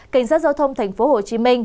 cảnh sát giao thông tp hcm